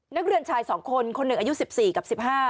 นักเรียนชาย๒คนคนหนึ่งอายุ๑๔กับ๑๕